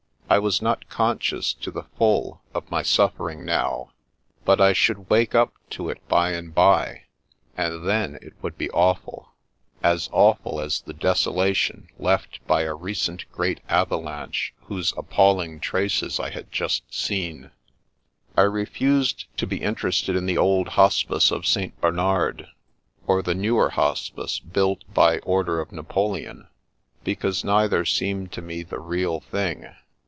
I was not conscious to the (£ At Last! 83 full of my suffering now, but I should wake up to it by and bye, and then it would be awful — ^as awful as the desolation left by a recent great avalanche whose appalling traces I had just seen. I refused to be interested in the old Hospice of St. Bernard, or the newer Hospice, built by order of Napoleon, because neither seemed to me the real thing.